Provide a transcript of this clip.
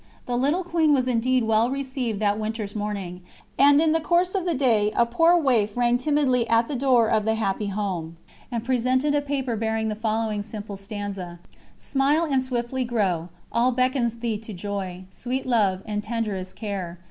The Little Queen was indeed well received that winter's morning, and in the course of the day a poor waif rang timidly at the door of the happy home, and presented a paper bearing the following simple stanza: "Smile and swiftly grow; All beckons thee to joy, Sweet love, and tenderest care.